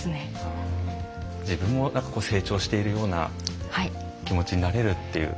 自分も成長しているような気持ちになれるっていう。